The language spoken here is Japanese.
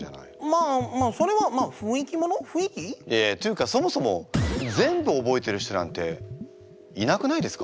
まあまあそれはまあいやいやっていうかそもそも全部覚えてる人なんていなくないですか？